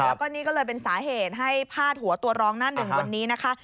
แล้วก็นี่ก็เลยเป็นสาเหตุให้พาดหัวตัวร้องหน้าหนึ่งวันนี้นะคะ